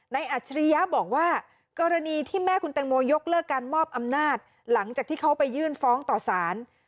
อัจฉริยะบอกว่ากรณีที่แม่คุณแตงโมยกเลิกการมอบอำนาจหลังจากที่เขาไปยื่นฟ้องต่อสาร